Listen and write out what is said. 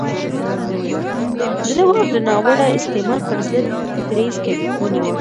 ده د واک د ناوړه استعمال پر ضد دريځ ونيو.